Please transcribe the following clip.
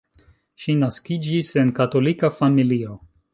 Ŝi naskiĝis en katolika familio.